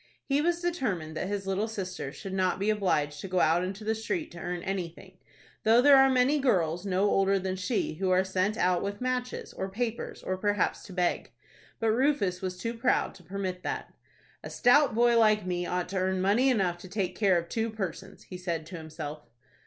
He was determined that his little sister should not be obliged to go out into the street to earn anything, though there are many girls, no older than she, who are sent out with matches, or papers, or perhaps to beg. But Rufus was too proud to permit that. "A stout boy like me ought to earn money enough to take care of two persons," he said to himself.